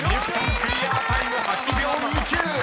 クリアタイム８秒２９］